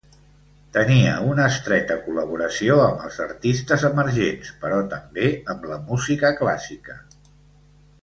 Tenia una estreta col·laboració amb els artistes emergents, però també amb la música clàssica.